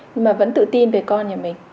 nhưng mà vẫn tự tin về con nhà mình